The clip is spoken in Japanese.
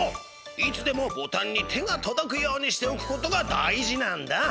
いつでもボタンに手がとどくようにしておく事がだいじなんだ。